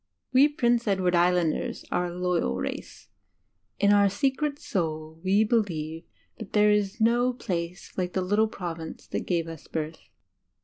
We Prince Edward Island ers are a loyal race. In our secret soul we believe that there is no place like the litde Province that gave us birth.